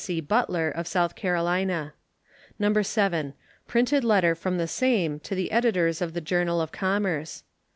C. Butler, of South Carolina. No. 7. Printed letter from the same to the editors of the Journal of Commerce.